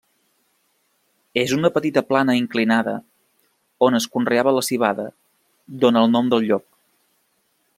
És una petita plana inclinada on es conreava la civada, d'on el nom del lloc.